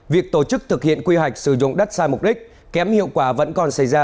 việc tổ chức thực hiện quy hoạch sử dụng đất sai mục đích kém hiệu quả vẫn còn xảy ra